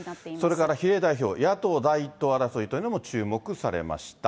それから比例代表、野党第１党争いとも注目されました。